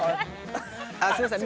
すいません。